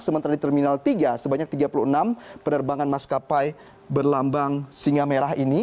sementara di terminal tiga sebanyak tiga puluh enam penerbangan maskapai berlambang singa merah ini